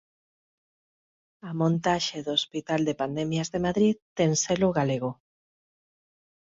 A montaxe do hospital de pandemias de Madrid ten selo galego.